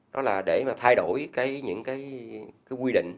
đó là để mà thay đổi những cái quy định